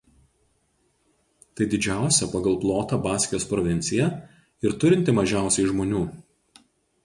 Tai didžiausia pagal plotą Baskijos provincija ir turinti mažiausiai žmonių.